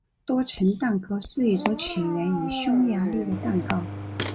多层蛋糕是一种起源于匈牙利的蛋糕。